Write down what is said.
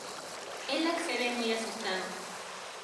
Él accede, muy asustado.